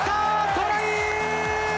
トライ！